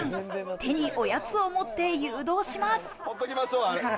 手におやつを持って誘導します。